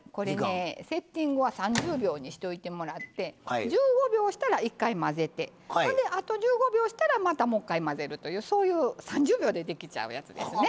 セッティングは３０秒にしといてもらって１５秒したら一回混ぜてほんであと１５秒したらまたもう一回混ぜるというそういう３０秒でできちゃうやつですね。